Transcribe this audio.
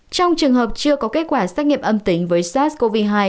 trong trường hợp chưa có kết quả xét nghiệm âm tính với sars cov hai